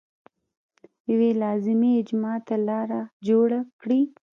یوې لازمي اجماع ته لار جوړه کړي.